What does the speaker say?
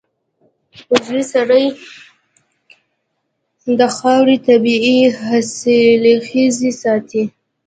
عضوي سرې د خاورې طبعي حاصلخېزي ساتي.